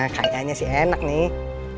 kayaknya sih enak nih